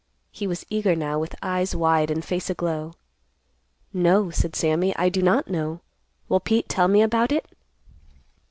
He was eager now, with eyes wide and face aglow. "No," said Sammy, "I do not know. Will Pete tell me all about it?"